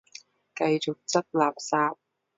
繼續執垃圾